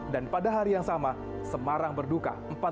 dan pada hari yang sama semarang berduka